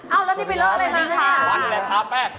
แล้วนี่เป็นเริ่มเลยค่ะค่ะแป๊ก